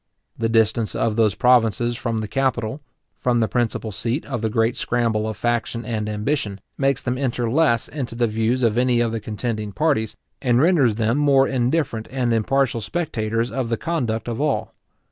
The distance of those provinces from the capital, from the principal seat of the great scramble of faction and ambition, makes them enter less into the views of any of the contending parties, and renders them more indifferent and impartial spectators of the conduct of all.